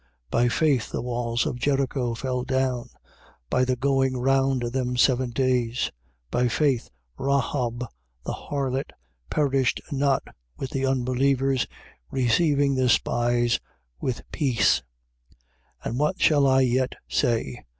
11:30. By faith the walls of Jericho fell down, by the going round them seven days. 11:31. By faith Rahab the harlot perished not with the unbelievers, receiving the spies with peace. 11:32. And what shall I yet say?